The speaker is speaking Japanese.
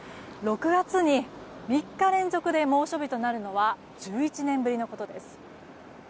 ６月に３日連続で猛暑日となるのは１１年ぶりのことです。